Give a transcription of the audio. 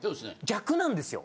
逆なんですよ。